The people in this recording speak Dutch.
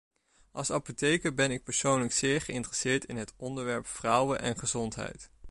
Als apotheker ben ik persoonlijk zeer geïnteresseerd in het onderwerp vrouwen en gezondheid.